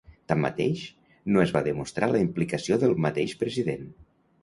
Tanmateix, no es va demostrar la implicació del mateix president.